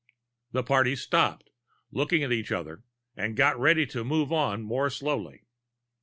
The party stopped, looked at each other, and got ready to move on more slowly.